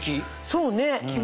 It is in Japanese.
そうね。